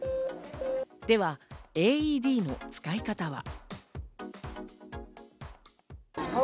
では、ＡＥＤの使い方は。